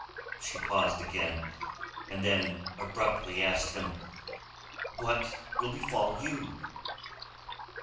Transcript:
She paused again, and then abruptly asked him, "What will befall you?"